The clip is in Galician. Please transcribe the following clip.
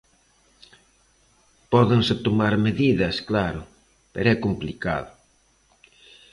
Pódense tomar medidas, claro, pero é complicado.